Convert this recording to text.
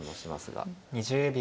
２０秒。